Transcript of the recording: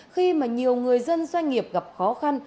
khi mà nhiều người dân doanh nghiệp gặp khó khăn